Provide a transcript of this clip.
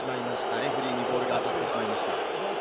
レフェリーにボールが当たってしまいました。